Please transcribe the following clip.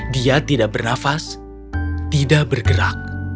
dia tidak bernafas tidak bergerak